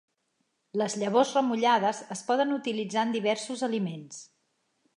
Les llavors remullades es poden utilitzar en diversos aliments.